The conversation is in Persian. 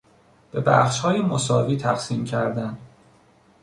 به بخشهای مساوی تقسیم کردن